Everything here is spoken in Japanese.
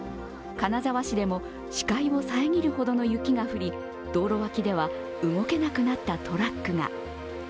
金沢市でも視界を遮るほどの雪が降り道路脇では動けなくなったトラックが。